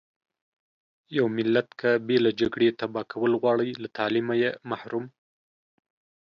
يو ملت که بې له جګړې تبا کول غواړٸ له تعليمه يې محروم .